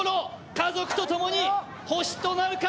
家族とともに星となるか。